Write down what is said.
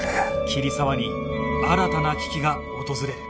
桐沢に新たな危機が訪れる